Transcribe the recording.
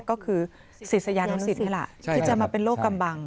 ก็คือศิษยานุสิตฯที่จะมาเป็นโลกกำบัง